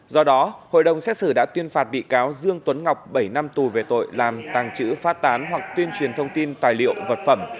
do đó hội đồng xét xử đã tuyên phạt bị cáo dương tuấn ngọc bảy năm tù về tội làm tàng trữ phát tán hoặc tuyên truyền thông tin tài liệu vật phẩm